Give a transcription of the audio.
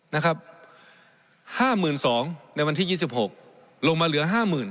นะครับ๕๒๐๐ในวันที่๒๖ลงมาเหลือ๕๐๐๐